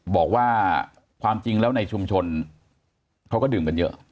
บอกว่าความจริงแล้วในชุมชนเขาก็ดื่มกันเยอะ